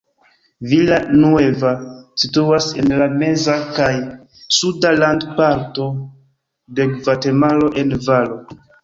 Villa Nueva situas en la meza kaj suda landparto de Gvatemalo en valo.